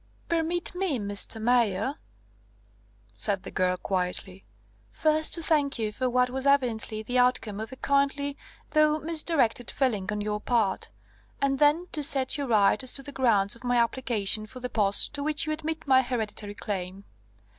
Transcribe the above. "Permit me, Mr. Mayor," said the girl quietly, "first to thank you for what was evidently the outcome of a kindly though misdirected feeling on your part; and then to set you right as to the grounds of my application for the post to which you admit my hereditary claim.